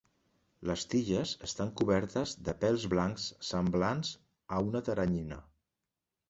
Les tiges estan cobertes de pèls blancs semblants a una teranyina.